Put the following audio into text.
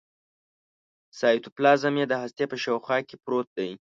سایتوپلازم یې د هستې په شاوخوا کې پروت دی.